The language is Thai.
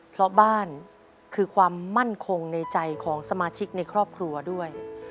เพราะบ้านคือความมั่นคงในใจของสมาชิกในครอบครัวด้วย